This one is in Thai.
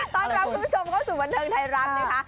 ต้อนรับคุณผู้ชมเข้าสู่บันเทิงไทยรัฐนะคะ